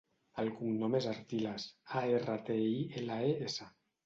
El cognom és Artiles: a, erra, te, i, ela, e, essa.